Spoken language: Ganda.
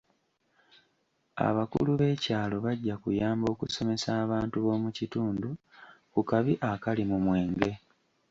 Abakulu b'ekyalo bajja kuyamba okusomesa abantu b'omu kitundu ku kabi akali mu mwenge.